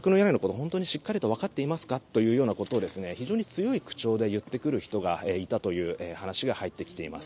本当にしっかりとわかっていますかというようなことを非常に強い口調で言ってくる人がいたという話が入っています。